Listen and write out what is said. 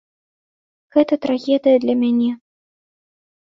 Гэта трагедыя для мяне.